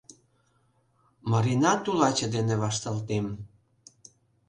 — Марина тулаче дене вашталтем.